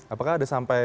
apakah ada sampingan